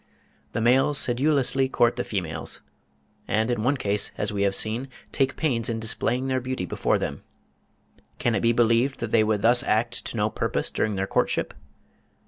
The males sedulously court the females, and in one case, as we have seen, take pains in displaying their beauty before them. Can it be believed that they would thus act to no purpose during their courtship?